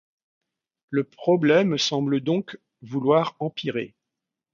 Le problème semble donc vouloir empirer.